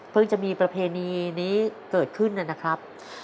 จะมีประเพณีนี้เกิดขึ้นนะครับ